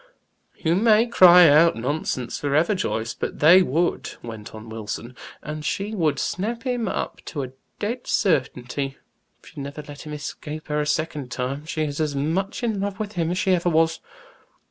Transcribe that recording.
"You may cry out 'nonsense' forever, Joyce, but they would," went on Wilson. "And she would snap him up to a dead certainty; she'd never let him escape her a second time. She is as much in love with him as she ever was!"